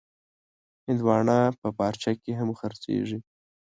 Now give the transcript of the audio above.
هندوانه په پارچه کې هم خرڅېږي.